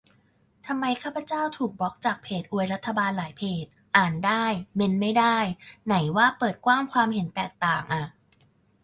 ทำไมข้าพเจ้าถูกบล็อคจากเพจอวยรัฐบาลหลายเพจ อ่านได้ เมนต์ไม่ได้ ไหนว่าเปิดกว้างความเห็นแตกต่างอะ